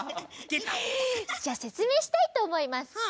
じゃあせつめいしたいとおもいます。